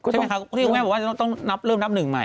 ใช่ไหมคะที่คุณแม่บอกว่าจะต้องนับเริ่มนับหนึ่งใหม่